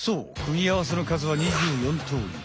組み合わせのかずは２４通り。